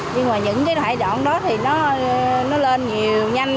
nhưng mà những cái thải đoạn đó thì nó lên nhiều nhanh